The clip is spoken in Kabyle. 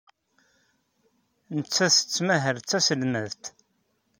Nettat tettmahal d taselmadt.